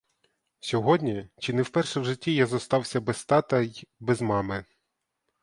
Сьогодні, чи не вперше в житті я зостався без тата й без мами.